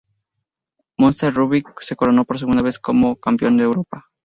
Munster Rugby se coronó por segunda vez como Campeón de Europa.